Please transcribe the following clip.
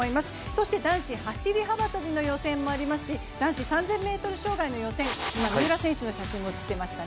そして男子走幅跳の予選もありますし男子３０００ｍ障害の予選三浦選手の写真も写っていました。